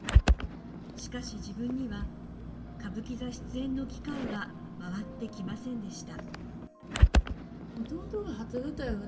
しかし、自分には歌舞伎座出演の機会は回ってきませんでした。